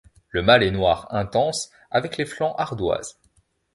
Le mâle est noir intense, avec les flancs ardoise.